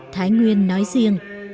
thái nguyên nói riêng